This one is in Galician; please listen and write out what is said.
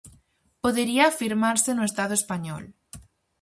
Podería afirmarse, no Estado español.